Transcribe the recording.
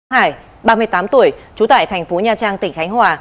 hải ba mươi tám tuổi chú tải thành phố nha trang tỉnh khánh hòa